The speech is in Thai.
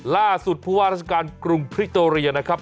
ล่าสุดผู้ว่าราชการกรุงคริโตเรียนะครับ